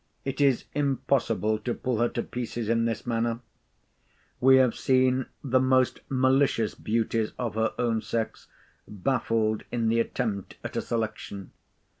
It is impossible to pull her to pieces in this manner. We have seen the most malicious beauties of her own sex baffled in the attempt at a selection.